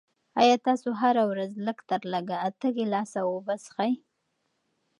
آیا تاسو هره ورځ لږ تر لږه اته ګیلاسه اوبه څښئ؟